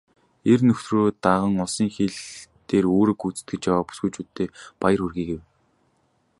"Эр нөхрөө даган улсын хил дээр үүрэг гүйцэтгэж яваа бүсгүйчүүддээ баяр хүргэе" гэв.